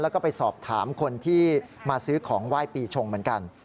แล้วก็ไปสอบถามคนที่มาซื้อของไหว้ปีชงเหมือนกัน